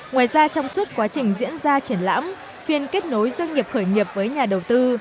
ngoài ra trong suốt quá trình diễn ra triển lãm phiên kết nối doanh nghiệp khởi nghiệp với nhà đầu tư